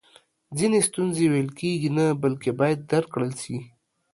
ځینې ستونزی ویل کیږي نه بلکې باید درک کړل سي!